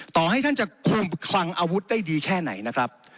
ต่อให้ท่านจะคุมคลังอาวุธได้ดีแค่ไหนนะครับ